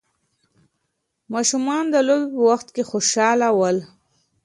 ماشومان د لوبې په وخت خوشحاله ول.